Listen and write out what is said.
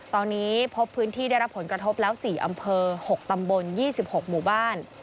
ตอนนี้พบพื้นที่ได้รับผลกระทบแล้ว๔อำเภอ๖ตำบล๒๖หมู่บ้าน